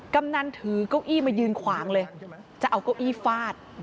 กำนันถือเก้าอี้มายืนขวางเลยจะเอาเก้าอี้ฟาด